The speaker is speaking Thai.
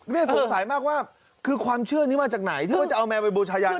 นี่สงสัยมากว่าคือความเชื่อนี้มาจากไหนที่ว่าจะเอาแมวไปบูชายัน